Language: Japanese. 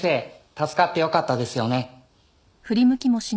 助かってよかったですよね。